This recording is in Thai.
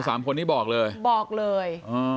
เอา๓คนที่บอกเลยบอกเลย